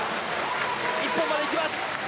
一本までいきます。